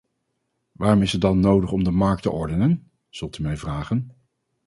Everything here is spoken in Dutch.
Waarom is het dan nodig om de markt te ordenen, zult u mij vragen.